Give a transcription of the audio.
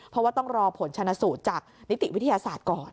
เพราะว่าต้องรอผลชนะสูตรจากนิติวิทยาศาสตร์ก่อน